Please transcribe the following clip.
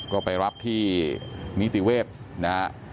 ก็ไปรับที่นิติเวศนะฮะ